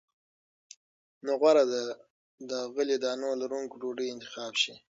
نو غوره ده د غلې- دانو لرونکې ډوډۍ انتخاب شي.